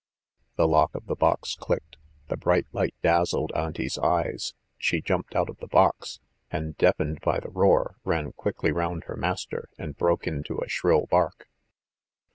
..." The lock of the box clicked. The bright light dazzled Auntie's eyes, she jumped out of the box, and, deafened by the roar, ran quickly round her master, and broke into a shrill bark.